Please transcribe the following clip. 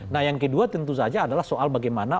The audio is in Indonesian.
nah yang kedua tentu saja adalah soal bagaimana